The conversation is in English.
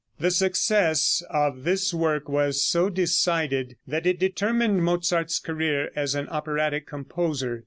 The success of this work was so decided that it determined Mozart's career as an operatic composer.